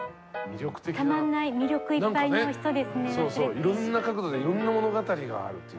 いろんな角度でいろんな物語があるという。